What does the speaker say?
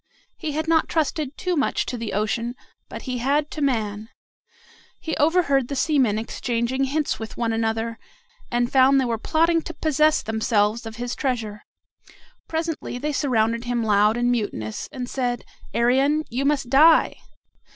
He had not trusted too much to the ocean but he had to man. He overheard the seamen exchanging hints with one another, and found they were plotting to possess themselves of his treasure. Presently they surrounded him loud and mutinous, and said, "Arion, you must die!